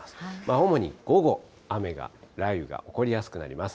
主に午後、雨が、雷雨が起こりやすくなります。